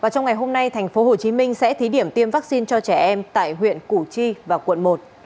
trong ngày hôm nay tp hcm sẽ thí điểm tiêm vaccine cho trẻ em tại huyện củ chi và quận một